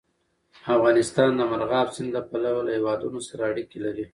افغانستان د مورغاب سیند له پلوه له هېوادونو سره اړیکې لري.